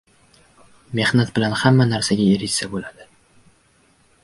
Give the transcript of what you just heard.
Mehnat bilan hamma narsaga erishsa bo‘ladi.